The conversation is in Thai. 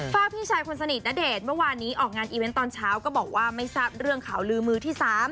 ฝากพี่ชายคนสนิทณเดชน์เมื่อวานนี้ออกงานอีเวนต์ตอนเช้าก็บอกว่าไม่ทราบเรื่องข่าวลือมือที่๓